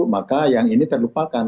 maka yang ini terlupakan